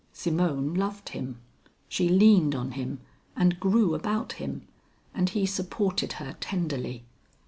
Simone loved him. She leaned on him and grew about him, and he supported her tenderly.